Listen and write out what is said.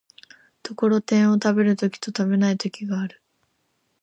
ところてんを食べる時と食べない時がある。